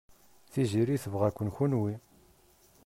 Tiziri tebɣa-ken kenwi.